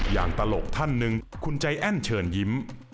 ตลกท่านหนึ่งคุณใจแอ้นเชิญยิ้ม